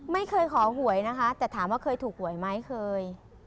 ไม่เคยขอหวยนะคะแต่ถามว่าเคยถูกหวยไหมเคย